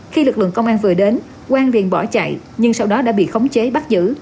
khi lực lượng công an vừa đến quang liền bỏ chạy nhưng sau đó đã bị khống chế bắt giữ